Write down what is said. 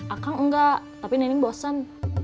akang enggak tapi nenek bosen